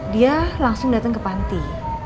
dia langsung datang ke panti